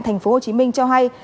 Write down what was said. tp hcm cho hay